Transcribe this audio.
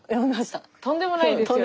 とんでもないですよね？